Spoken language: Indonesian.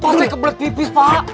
masih kebelet pipis pak